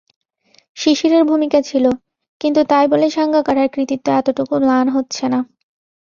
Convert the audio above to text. শিশিরের ভূমিকা ছিল, কিন্তু তাই বলে সাঙ্গাকারার কৃতিত্ব এতটুকু ম্লান হচ্ছে না।